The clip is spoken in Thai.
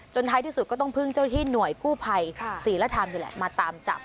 ท้ายที่สุดก็ต้องพึ่งเจ้าที่หน่วยกู้ภัยศิลธรรมนี่แหละมาตามจับ